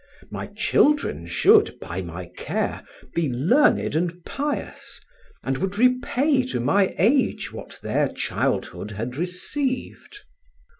My children should by my care be learned and pious, and would repay to my age what their childhood had received.